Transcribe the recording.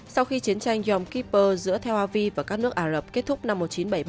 sau khi chiến tranh yom kippur giữa theoavi và các nước ả rập kết thúc năm một nghìn chín trăm bảy mươi ba